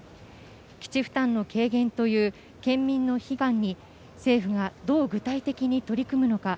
基地負担の軽減という県民の悲願に政府がどう具体的に取り組むのか